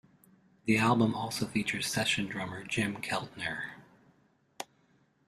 The album also features session drummer Jim Keltner.